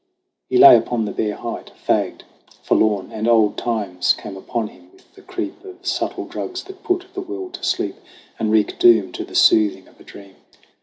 He lay upon the bare height, fagged, forlorn, And old times came upon him with the creep Of subtle drugs that put the will to sleep And wreak doom to the soothing of a dream.